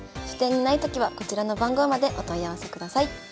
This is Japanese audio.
書店にないときはこちらの番号までお問い合わせください。